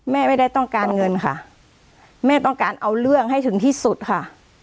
แม่ไม่ได้ต้องการเงินค่ะแม่ต้องการเอาเรื่องให้ถึงที่สุดค่ะ